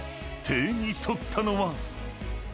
［手に取ったのは］